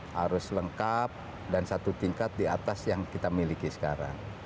harus lengkap dan satu tingkat di atas yang kita miliki sekarang